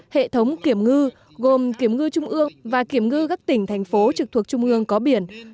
hệ thống kiểm ngư gồm kiểm ngư trung ương và kiểm ngư các tỉnh thành phố trực thuộc trung ương có biển